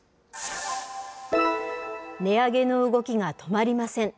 値上げの動きが止まりません。